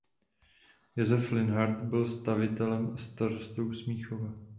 Josef Linhart byl stavitelem a starostou Smíchova.